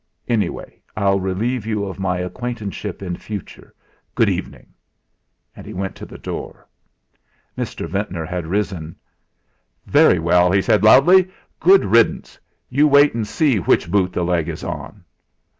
Anyway I'll relieve you of my acquaintanceship in future. Good evening!" and he went to the door. Mr. Ventnor had risen. "Very well," he said loudly. "Good riddance! You wait and see which boot the leg is on!"